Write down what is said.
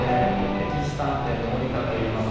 「歴史探偵」の森田といいます。